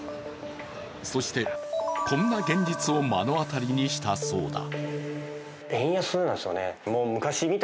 そしてこんな現実を目の当たりにしたそうだ。